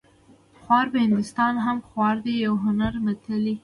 خوار په هندوستان هم خوار دی یو هنري متل دی